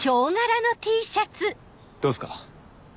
どうっすか？